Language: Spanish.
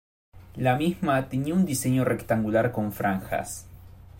La misma tenía un diseño rectangular con franjas.